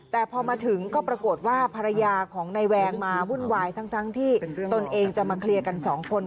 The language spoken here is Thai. แต่พอมาถึงก็ปรากฏว่าภรรยาของนายแวงมาวุ่นวายทั้งที่ตนเองจะมาเคลียร์กันสองคน